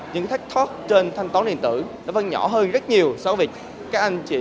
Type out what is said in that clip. những thất thoát trên thanh toán điện tử nó vẫn nhỏ hơn rất nhiều so với các anh chị